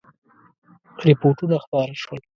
رپوټونه خپاره شول.